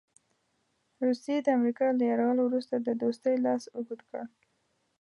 روسیې د امریکا له یرغل وروسته د دوستۍ لاس اوږد کړ.